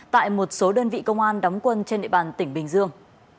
tại một số đơn vị công an đóng quân trên địa bàn tỉnh bình dương